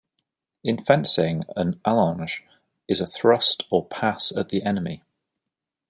In fencing, an allonge is a thrust or pass at the enemy.